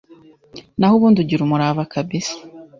naho ubunndi ugira umurava Kabisa